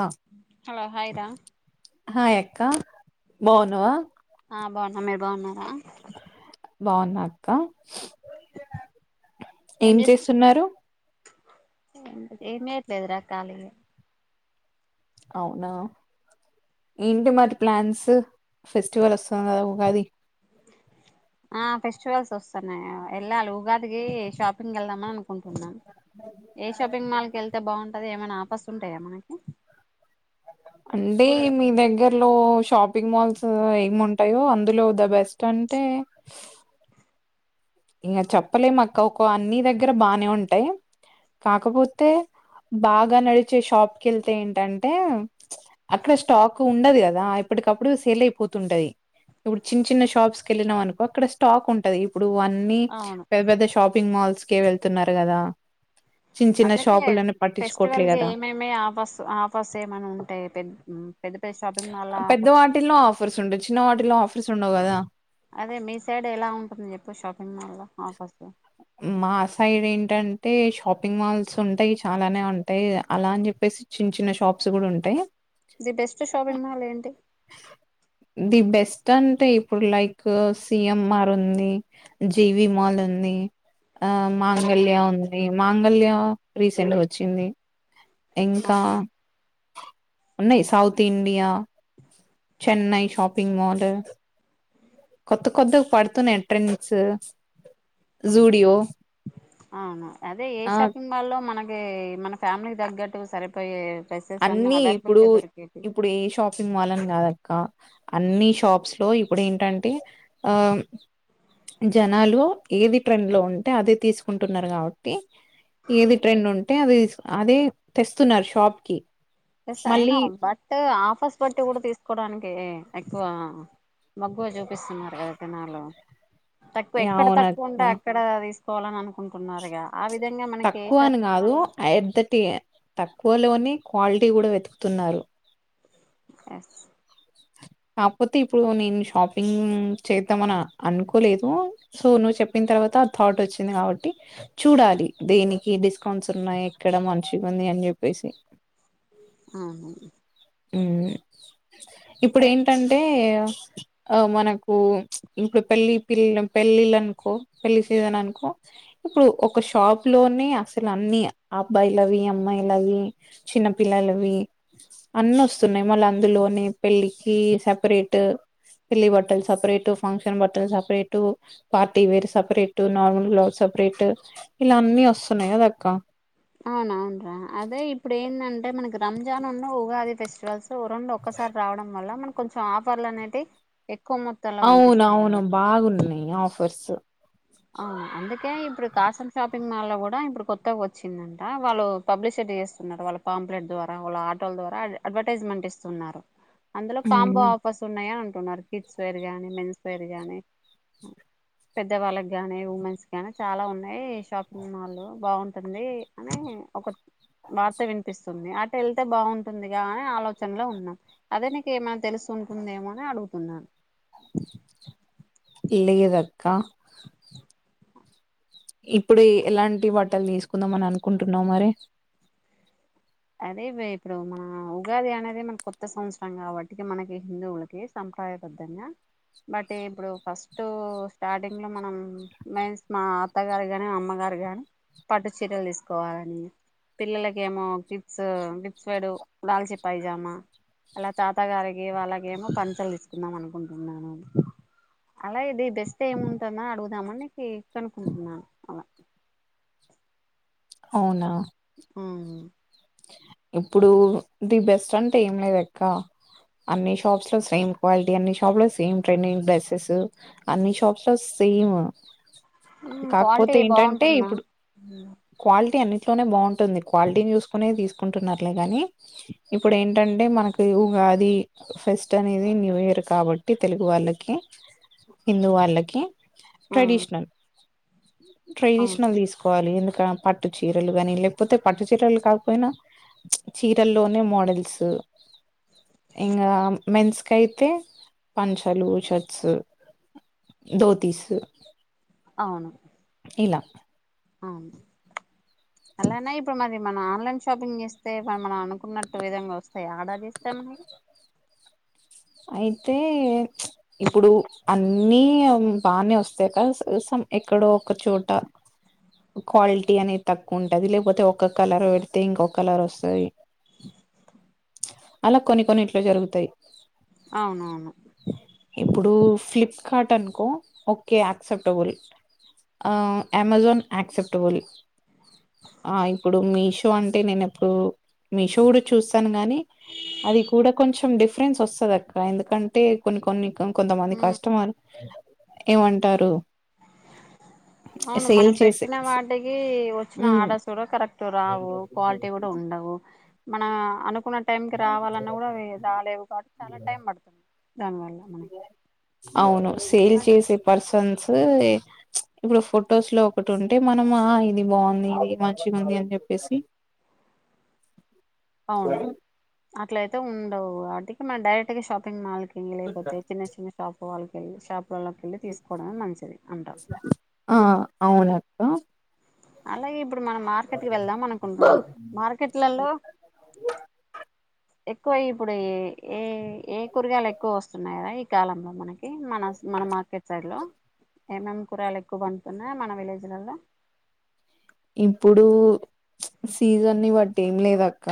అక్క hello hi రా hi అక్క బావున్నావా ఆ బాగున్నా మీరు బాగున్నారా బాగున్నాక్క ఏం చేస్తున్నారు ఎం ఎట్లేదురా ఖాళీయే అవునా ఏంటి మరి ప్లాన్స్ ఫెస్టివల్ వస్తుంది కదా ఉగాది ఆ ఫెస్టివల్స్ వస్తున్నాయి వెళ్ళాలి ఉగాదికి షాపింగ్ వెళ్దామన్ అనుకు అనుకుంటున్న ఏ షాపింగ్ మాల్ కి వెళ్తే బాగుంటది ఏమైనా ఆఫస్ తుంటాయా మనకు అండి మీ దగ్గరలో షాపింగ్ మాల్స్ ఏమి ఉంటాయో అందులో ద బెస్ట్ అంటే ఇంక చెప్పలేము అక్క ఒక అన్ని దగ్గర బాగానే ఉంటాయి. కాకపోతే బాగా నడిచే షాప్కి వెళ్తే ఏంటంటే ప్చ్ అక్కడ స్టాక్ ఉండదు కదా ఇప్పటికప్పుడు సెల్ అయిపోతుంటాయ్ ఇప్పుడు చిన్న చిన్న షాప్స్కి వెళ్ళినాం అనుకో అక్కడ స్టాక్ ఉంటది. ఇప్పుడు వన్ అన్ని అవును పెద్ద పెద్ద షాపింగ్ మాల్స్ కే వెళ్తున్నారు కదా చిన్న చిన్న అందుకే షాపులని పట్టించుకోవట్లే ఫెస్టివల్ కి కదా ఏమేమి ఆఫర్స్ ఆఫర్స్ ఏమని ఉంటాయి పెద్ద పెద్ద షాపింగ్ మాల్ పెద్ద ఆఫర్స్ వాటిల్లో ఆఫర్స్ ఉండవు చిన్న వాటిల్లో ఆఫర్ ఫర్సు ఉండవు కదా అదే మీ సైడ్ ఎలా ఉంటుంది చెప్పు షాపింగ్ మాల్ లో ఆఫర్స్ మా సైడ్ ఏంటంటే షాపింగ్ మాల్స్ ఉంటయి చాలానే ఉంటయి అలా అని చెప్పేసి చిన్న చిన్న షాప్స్ కూడా ఉంటయి ది బెస్ట్ షాపింగ్ మాల్ ఏంటి ది బెస్ట్ అంటే ఇప్పుడు లైక్ సిఎంఆర్ ఉంది జీవి మాల్ ఉంది ఆ మాంగళ్యా ఉంది మాంగళ్యా రీసెంట్గా వచ్చింది ఇంకా అవును ఉన్నాయి్ south India Chennai shopping mall కొత్త కొత్తగా పడుతున్నాయి ట్రెండ్స్ జూడియో అవును అదే ఏ ఆ షాపింగ్ మాల్లో మన తే మన ఫ్యామిలీకి దగ్గట్టు సరిపోయే డ్రెస్సెస్ అన్ని అవైలబుల్ ఇప్పుడు గా దొరికేవి ఇప్పుడు ఏ షాపింగ్ మాల్ అ దాదాప్ గా అన్ని షాప్స్ లో ఇప్పుడు ఏంటంటే ఆ జనాలు ఏది ట్రెండ్ లో ఉంటే అదే తీసుకుంటున్నారు కాబట్టి ఏది ట్రెండ్ ఉంటే అది అదే తెస్తున్నారు షాప్ కి ఎస్ మళ్ళీ అయినా బట్ ఆఫర్స్ బట్టి కూడా తీసుకోవడానికి కే ఎక్కువ మగ్గువ చూపిస్తున్నారు కదా జనాలు తక్కువ ఎక్కడ అవున తక్కువ ఉంటే అక్కడదిస్ పోవాలని అనుకుంటున్నారు తక్కువ అని కాదు అయిడ్ ధటి తక్కువ లోని క్వాలిటీ కూడా వెతుకుతున్నారు ఎస్ కాకపోతే ఇప్పుడు నేను షాపింగ్ చేద్దామన అనుకోలేదు సో నువ్వు చెప్పిన తర్వాత ఆ థాట్ వచ్చింది కాబట్టి చూడాలి దేనికి డిస్కౌంట్స్ ఉన్నాయి ఎక్కడ మంచిగుంది అని చెప్పేసి ఆ ఉం ఇప్పుడెటంటే ఆ మనకు ఇప్పుడు పెళ్లి పిల్ పెళ్లిిలు అనుకో పెళ్లి సీజన్ అనుకో ఇప్పుడు ఒక షాప్ లోనే అసలు అన్నిీ అబ్బాయిలవి అమ్మాయిలవి చిన్న పిల్లలవి అన్నస్తున్నాయి మళ్ళీ అందులోనే పెళ్ళి కి సపరేట్ పిల్లీ బట్టల్ సపరేట్ ఫంక్షన్ బట్టలు separate party wear separate normal cloth separate ఇలాన్నీ వస్తున్నాయి కదక్క అవున అవును రా అదే ఇప్పుడేందా అంటే మనకి రంజాన్ ఉన్న ఉగాది ఫెస్టివల్స్ సో రొండు ఒక్కసారి రావడం వల్ల మన కొంచెం ఆఫర్లు అనేటి ఎక్ అవున అవును బాగున్నాయి ఆఫర్స్ అ అందుకే ఇప్పుడు కాసం షాపింగ్ మాల్ లో కూడా ఇప్పుడు కొత్తగా వచ్చిందంట వాళ్ళు పబ్లిసిటీ చేస్తున్నారు వాళ్ళ పాంప్లెట్ ద్వారా వాళ్ళ ఆటోల ద్వారా అడ్వర్టైజ్మెంట్ ఇస్తున్నారు అందులో కాంబో హ్మ్ ఆఫర్స్ ఉన్నాయ న్నారు కిడ్స్ వేర్ మేన్స్ వేర్ గాని పెద్దవాళ్ళ గానీ ఉమెన్స్ గానీ చాలా ఉన్నాయి షాపింగ్ మాల్ బాగుంటుంది అని ఒక వార్త వినిపిస్తుంది అటు వెళ్తే బాగుంటుందిగా అని ఆలోచనలో ఉన్నాం అదే నీకు ఏమైనా తెలుసు ఉంటుందేమో అని అడుగుతున్నాను లేదక్కా ఇప్పుడు ఎలాంటి బట్టలు తీసుకుందాంమని అనుకుంటున్నావ్ మరి అదే ఇప్పుడు మన ఉగాది అనేది మన కొత్త సంవత్సరం కాబట్టికి మనకి హిందువులకి సంప్రదయబద్ధంగా బట్ ఇప్పుడు ఫస్ట్ స్టార్టింగ్ లో మనం మెన్స్ మా అత్తగారు కాని అమ్మగారు కాని పట్టు చీరలు తీసుకోవాలని పిల్లలకి ఏమో కిడ్ స్ వేడు లాల్చి పైజామా అలా తాత గారికి వాళ్ళకిేమో పంచలు తీసుకుందాం అనుకుంటున్నాను అలా ఇది బెస్ట్ ఏముంటుందని అడుగుదామని కనుకుంటున్నాను అలా అవునా ఉం ఇప్పుడు ది బెస్ట్ అంటే ఏం లేదు అక్క అన్ని షాప్స్ లో సేమ్ క్వాలిటీ అన్ని షాప్ లో సేమ్ ట్రెండింగ్ డ్రెస్సెస్ అన్ని షాప్స్ లో సేమ్ కాకపోతే క్వాలిటీ ఏంటంటే బాగుంటుందా ఇప్పుడు క్వాలిటీ అన్ని తోనే బాగుం టుంది క్వాలిటీని చూస్ తీసుకుంటున్నాట్లే గనీ ఇప్పుడు ఏంటంటే మనకి ఉగాది ఫెస్ట్ అనేది న్యూ ఇయర్ కాబట్టి తెలుగు వాళ్ళకి, హిందూ వాళ్ళకి అవును ట్రెడిషనల్ ట్రెడిషనల్ తీసుకోవాలి ఎందు పట్టు చీరలు గనీ లేకపోతే పట్టు చీరలు కా పోయినా చ్ చీరల్లోనే మోడల్స్ ఇంగా మేన్స్ కాయితే పంచాలు, షెట్స్, దొతీస్ అవును ఇలా అవును అలానే ఇప్పుడు మరి మనం ఆన్లైన్ షాపింగ్ చేస్తే మనం అనుకున్నట్టు విధంగా వస్తాయ ఆర్డర్ చేస్తే మనకి అయితే చ్ ఇప్పుడు అన్నీ బానే వస్తాయి కల్స్ సమ్ ఎక్కడో ఒక చోట క్వాలిటీ అనేది తక్కువ ఉంటది. లేకపోతే ఒక కలర్ పెడితే ఇంకొ కలర్ వస్తది. అలా కొన్ని కొన్నిట్ల జరుగుతాయి. అవునవును ఇప్పుడు ఫ్లిప్ కాటన్కో ఓకే యాక్సెప్టబుల్ ఆ అమెజోన్ యాక్సెప్టబుల్ ఆ ఇప్పుడు మీషో అంటే నేను ఎప్పుడు మీషో కూడా చూస్తాను. గానీ అది కూడా కొంచెం డిఫరెన్స్ వస్తది. అ అక్క ఎందుకంటే కొన్ని కొన్ని కొంతమంది కష్టమార్ ఏమంటారు అవును సేల్ మనం చేసే పెట్టిన వాటికి వచ్చిన ఉమ్ ఆర్డర్స్ కూడా కరెక్ట్ రావు క్వాలిటీ కూడా ఉండవు. మనం అనుకున్న టైం కి రావాలన్నా కూడా అవి రాలేవు కాబట్టి చాలా టైం పడుతుంది దానివల్ల మనకి అవును సేల్ చేసే పర్స వన్స్ చ్ ఇప్పుడు ఫొటోస్ లో ఒకటి ఉంటే మనము ఆహా ఇది బాగుంది ఇది మంచిగా ఉంది అని చెప్పేసి అవును అ ఇట్లయితే ఉండవు వాటికి మన డైరెక్ట్ గా షాపింగ్ మాల్ కి పెళ్ళైపోతే చిన్న చిన్న షాప్ వాల్కెళ్ళి షాప్ వాలకెళ్ళి తీసుకోవడమే మంచిది అంటాం అవునాక్క అలాగే ఇప్పుడు మనం మార్కెట్ కి వెళ్దాం అనుకుంటున్నాం మార్కెట్లలో ఎక్కువై ఇప్పుడు ఏ ఏ కూరగాయలు ఎక్కువ వస్తున్నాయి కదా కాలంలో మనకి మన మన మార్కెట్ సైడ్ లో ఏమేమ్ కూరగాయలు ఎక్కువ పండుతున్నాయి మన విలేజ్ ల్లాల ఇప్పుడు సీజన్ని బట్టి ఏం లేదాక్క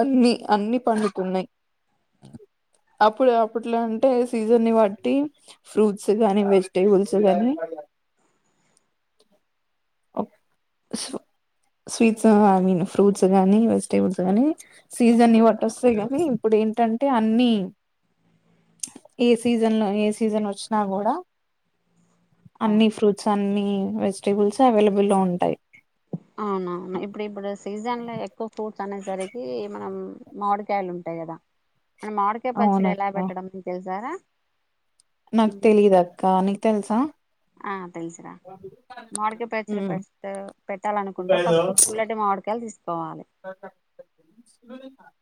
అన్ని అన్ని పండుతున్నాయి అప్పుడు అప్పట్లో అంటే సీజన్ని బట్టి ఫ్రూట్స్ గని, వెజిటేబుల్స్ గని [unintelligible] సో స్వీట్స్ గాని ఫ్రూట్స్ గాని వెజిటేబుల్స్ గని సీజన్ని బట్టి వస్తాయి. కానీ ఇప్పుడు ఏంటంటే అన్ని ఏ సీజన్లో ఏ సీజన్ వచ్చినా కూడా అన్ని ఫ్రూట్స్ అన్ని వెజిటబుల్స్ అవైలబుల్ గా ఉంటాయి అవునా ఇప్పు ఇప్పుడు సీజన్ లో ఎక్కువ ఫూట్ అనేసరికి మనం మామిడికాయలు ఉంటాయి కదా మన మామిడికాయపచ్చడి ఎలా అవునక్క పెట్టడం నీకు తెలుసారా నాకు తెలీద అక్క నీకు తెల్సా ఆ తెలుసు రా మామిడికాయ పచ్చడి ఉమ్ ఫస్ట్ పెట్టాలనుకుంటే ఫస్ట్ పుల్లటి మామిడికాయలు తీసుకోవాలి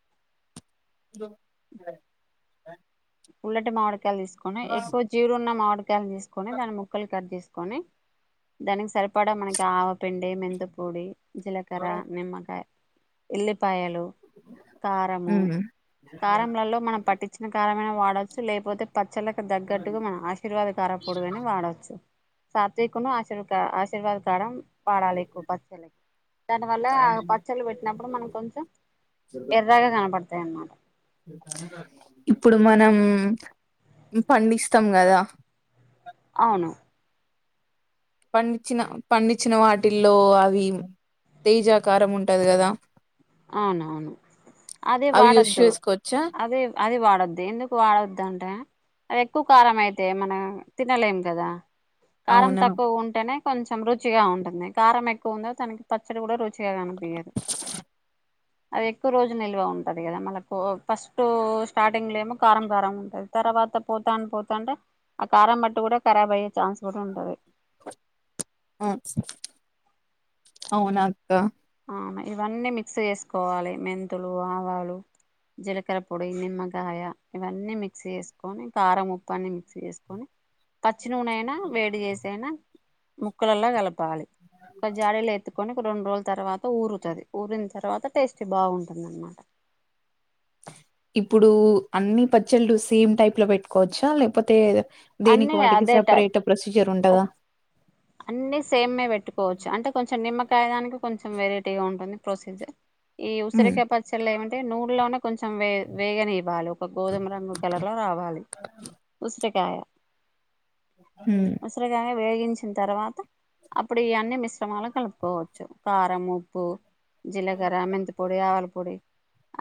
[inaudible] పుల్లటి మామిడి తీసుకొని ఎక్కువ జీడున్న మాడ్ కాయల్ని తీసుకొని దాని ముక్కలు కట్ చేసు కని దానికి సరిపడా మనకి ఆవపిండి మెంతిపొడి జీలకర్ర నిమ్మకాయ ఇల్లే పాయలు కారము ఉమ్ కారంలలో మనం పట్టించిన కార వాడొచ్చు లేకపోతే పచ్చళ్ళకి తగ్గట్టుగా మనం ఆశీర్వాద కారం పొడి అయిన వాడవచ్చు సాత్వికును ఆశీర్వా ఆశీర్వాద కారం పాడాలి ఎక్కువ పచ్చళ్ళకి దానివల్ల పచ్చళ్ళు పెట్టినప్పుడు మనకు కొంచెం ఎర్రగా కనపడుతం తే మ ఇప్పుడు మనం పండిస్తాం కదా అవును పండించిన పండించిన వాటిల్లో అవి తేజాకారం ఉంటది కదా అవునునవును అదే అవి యూస్ వాడద్దు చేసుకోవచ్చా అదే అదే వాడ అది ఎక్కువ కారం అయితే మనం తినలేం కదా కారం అవునా తక్కువ ఉంటేనే కొంచెం రుచిగా ఉంటుంది కారం ఎక్కువ ఉందో తనకి పచ్చడి కూడా రుచిగా కనిపించదు అది ఎక్కువ రోజు నిల్వ ఉంటాది కదా మళ్ళకు ఫస్ట్ స్టార్టింగ్లో ఏమో కారం కారం ఉంటుంది తర్వాత పోతా పోతాంటే ఆ కారం బట్టు కూడా ఖరాబ్ అయ్యే ఛాన్స్ కూడా ఉంటుంది ఆ అవునా అక్క అవును ఇవన్నీ మిక్స్ చేసుకోవాలి మెంతులు, ఆవాలు, జీలకర్ర పొడి, నిమ్మకాయ ఇవన్నీ మిక్స్ చేసుకొని కారం ఉప్పు అన్ని మిక్స్ చేసుకొని పచ్చి నూనెయినా వేడి చేసి అయినా ముక్కలు అలా కలపాలి ఇంకా జాడిలో ఎత్తుకోని ఇంకీ రెండ్ రోజ్ తర్వాత త ఊరుతది ఊరిం తర్వాత టేస్ట్ బాగుంటుందన్నమాట ఇప్పుడు అన్ని పచ్చళ్ళు సేమ్ టైప్ లో పెట్టుకోవచ్చా లేకపోతే దేనికి అన్ని వాటికి అదే టైప్ సపరేట్ ప్రొసి జరుంటదా అన్ని సేమ్నే పెట్టుకోవచ్చు అంటే కొం కొంచెం నిమ్మకాయ దానికి కొంచెం వెరైటీగా ఉంటుంది ప్రొసీజర్ ఈ ఉమ్ ఉసిరికాయ పచ్చళ్ళే ఏమ తే నూనెలోనే కొంచెం వే వేగనివ్వాలో గోధుమ రంగు కలర్ లో రావాలి ఉసిరి కాయా ఉమ్ ఉసిరిగాయ వేగించి అప్పుడు ఇయన్నీ మిశ్రమాలు కలుపుకోవచ్చు కారం, ఉప్పు, జీలకర్ర, మెంతిపొడి, ఆవాలపొడి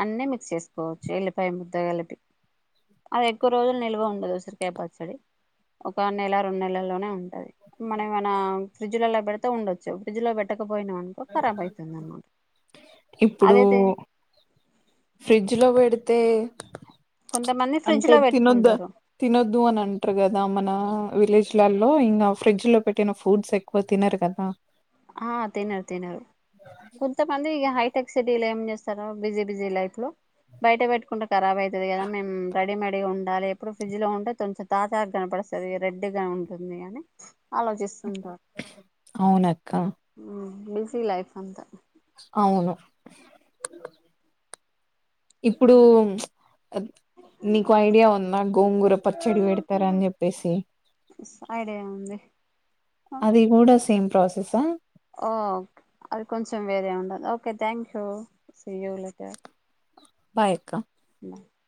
అన్నీ మిక్స్ చేసుకోవచ్చు. ఎల్లిపాయ ముద్ద కలిపి అవి ఎక్కువ రోజులు నిల్వ ఉండదు ఉసిరికాయ పచ్చడి ఒక నెల రెండు నెలల్లోనే ఉంట కుమన గనాం ఫ్రిడ్జ్ లల్లా పెడితే ఉండచ్చు ఫ్రిడ్జ్ లో పెట్ట కపోయినా వ్ అనుకో ఖరాబ్ అయితుంది అన్నమాట ఇప్పుడు అదైతే ఫ్రిడ్జ్ లో పెడితే ప్చ్ కొంతమంది ఫ్రిడ్జ్ అంటే లో తినొద్ద పెట్టుకుంటారు తినొద్దు అని అంట్రు కదా మన విలేజ్ లల్లో ఇంగ ఫ్రిడ్జ్ లో పెట్టిన ఫూడ్స్ ఎక్కువ తినరు కదా ఆ తినరు తినరు కొంతమంది ఇగ హై టెక్ సిటీలో ఏం చేస్తారు బిజీ బిజీ లైఫ్ లో బయట పెట్టుకుంటే ఖరాబ్ అయితది కదా మేము రెడీమెడీగా ఉండాలి, ఎప్పుడు ఫ్రిడ్జ్ లో ఉంటే కొంచ తాజాగా కనపడుస్తుంది రెడ్ గా ఉంటుంది అని ఆలోచిస్సుంటారు క్క మ్మ్ బిజీ లైఫ్ అంతా అవును ఇప్పుడు నీకు ఐడియా ఉందా గోంగూర పచ్చడి పెడతారా అని చెప్పేసి ఐడియా ఉంది అది కూడా సేమ్ ప్రాసెసా ఓ అది కొంచెం వేరే ఉంటది okay thank you see you later Bayakka